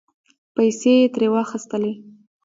پیسې یې ترې واخستلې